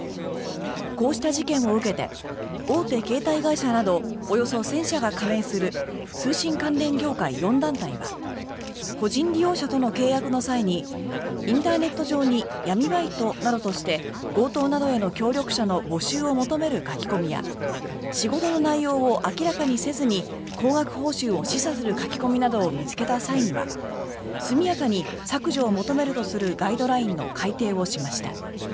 こうした事件を受けて大手携帯会社などおよそ１０００社が加盟する通信関連業界４団体は個人利用者との契約の際にインターネット上に闇バイトなどとして強盗などへの協力者の募集を求める書き込みや仕事の内容を明らかにせずに高額報酬を示唆する書き込みなどを見つけた際には速やかに削除を求めるとするガイドラインの改定をしました。